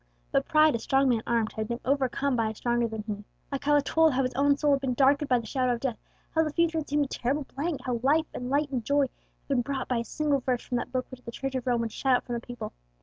But pride, a strong man armed, had been overcome by a stronger than he. Alcala told how his own soul had been darkened by the shadow of death, how the future had seemed a terrible blank, and how life and light and joy had been brought by a single verse from that Book which the Church of Rome would shut out from the people.